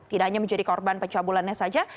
tidak hanya menjadi korban pencabulannya saja